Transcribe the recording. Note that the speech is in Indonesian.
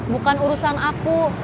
bukan urusan aku